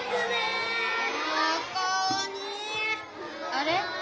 あれ？